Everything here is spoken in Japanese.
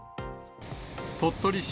鳥取市